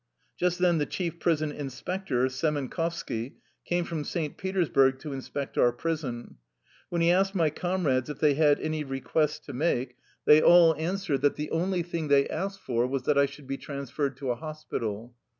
Just then the chief prison inspector, Semenkovski, came from St. Petersburg to in spect our prison. When he asked my comrades if they had any requests to make they all an 193 THE LIFE STOKY OF A RUSSIAN EXILE swered that the only thing they asked for was that I should be transferred to a hospital.